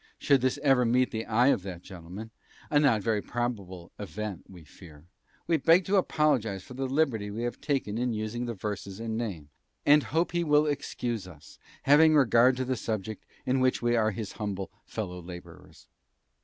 Should this ever meet the eye of that gentleman (a not very probable event, we fear), we beg to apologise for the liberty we have taken in using the verses and name, and hope he will excuse us, having regard to the subject in which we are his humble fellow labourers.